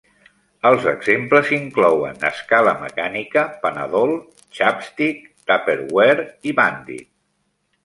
Els exemples inclouen "escala mecànica", "Panadol", "chapstick", "tupperware", i "bandit".